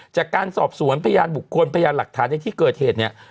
จากการสอบสวนพยานบุคคลพยานหลักฐานในที่เกิดเหตุเนี่ย